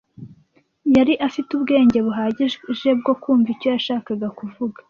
Yari afite ubwenge buhagije bwo kumva icyo yashakaga kuvuga.